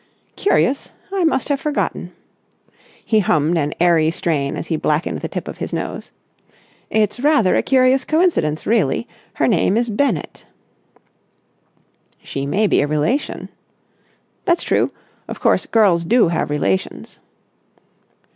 "Curious! I must have forgotten." He hummed an airy strain as he blackened the tip of his nose. "It's rather a curious coincidence, really. Her name is Bennett." "She may be a relation." "That's true. Of course, girls do have relations."